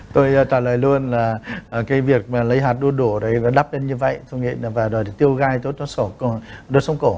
tôi trả lời luôn là cái việc lấy hạt đu đủ đắp lên như vậy và tiêu gai tốt cho đốt sống cổ